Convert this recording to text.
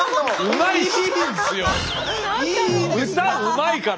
歌うまいから。